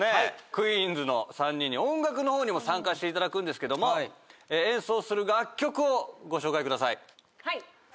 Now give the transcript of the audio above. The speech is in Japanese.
クイーンズの３人に音楽の方にも参加していただくんですけども演奏する楽曲をご紹介ください。